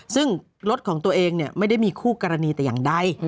ซึ่งรถของตัวเองไม่ได้มีคู่กรณีแต่อย่างใด